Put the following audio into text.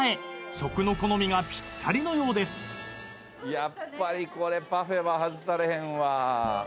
やっぱりパフェは外されへんわ。